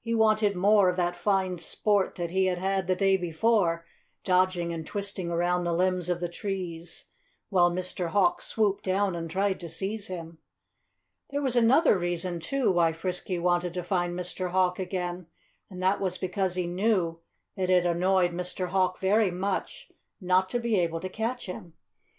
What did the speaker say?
He wanted more of that fine sport that he had had the day before, dodging and twisting around the limbs of the trees, while Mr. Hawk swooped down and tried to seize him. There was another reason, too, why Frisky wanted to find Mr. Hawk again and that was because he knew that it annoyed Mr. Hawk very much not to be able to catch him.